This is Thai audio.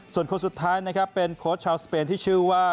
ส่วนคนสุดท้ายนะครับเป็นโค้ชชาวสเปนที่ชื่อว่า